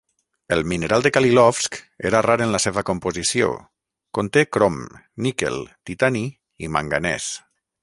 El mineral de Khalilovsk era rar en la seva composició: conté crom, níquel, titani i manganès.